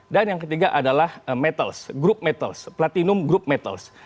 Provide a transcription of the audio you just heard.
dan yang ketiga adalah metals group metals platinum group metals